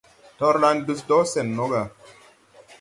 Torlan dus do sen no ga.